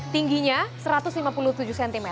tingginya satu ratus lima puluh tujuh cm